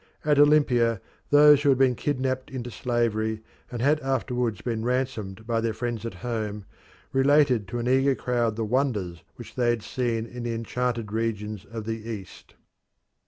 At Olympia those who had been kidnapped into slavery, and had afterwards been ransomed by their friends at home, related to an eager crowd the wonders which they had seen in the enchanted regions of the East.